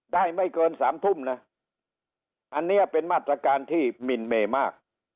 ไม่เกินสามทุ่มนะอันนี้เป็นมาตรการที่หมินเมมาก